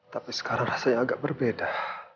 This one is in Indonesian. tapi sekarang rasanya agak berbeda